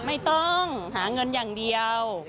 ไม่ต้องหาเงินอย่างเดียว